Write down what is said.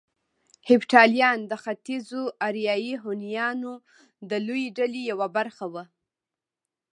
هېپتاليان د ختيځو اریایي هونيانو د لويې ډلې يوه برخه وو